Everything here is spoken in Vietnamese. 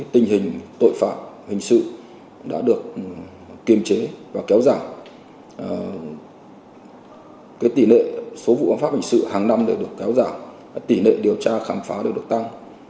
tội phạm được kiềm chế và kéo giảm tỷ lệ số vụ án pháp hình sự hàng năm được kéo giảm tỷ lệ điều tra khám phá được tăng